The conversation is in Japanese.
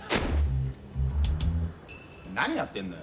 ・何やってんだよ？